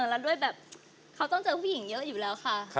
แล้วด้วยแบบเขาต้องเจอผู้หญิงเยอะอยู่แล้วค่ะ